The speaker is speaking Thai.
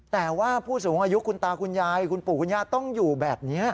แต่ว่าผู้สูงอายุคุณตาคุณยายคุณปู่คุณย่าต้องอยู่แบบนี้